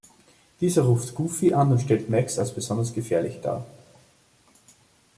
Dieser ruft Goofy an und stellt Max als besonders gefährlich dar.